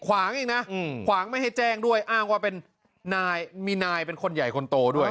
ขวางอีกนะขวางไม่ให้แจ้งด้วยอ้างว่าเป็นนายมีนายเป็นคนใหญ่คนโตด้วย